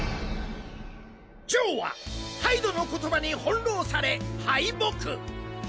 ジョーはハイドの言葉に翻弄され敗北。